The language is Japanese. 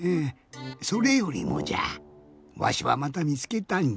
それよりもじゃわしはまたみつけたんじゃよ。